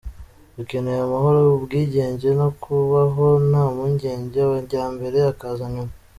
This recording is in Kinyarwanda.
Dukeneye amahoro, ubwigenge, no kubaho nta mpungenge, amajyambere akaza nyuma.